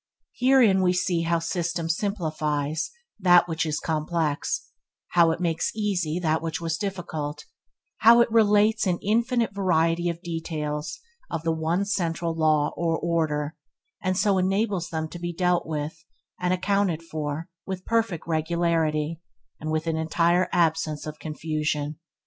Herein we see how system simplifies that is complex: how it makes easy that which was difficult; how it relates an infinite variety of details of the one central law or order, and so enables them to be dealt with and accounted for with perfect regularity, and with an entire absence of confusion.